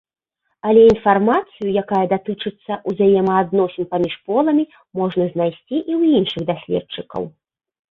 Але інфармацыю, якая датычыцца ўзаемаадносін паміж поламі, можна знайсці і ў іншых даследчыкаў.